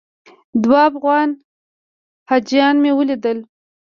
دوه افغان حاجیان مې ولیدل.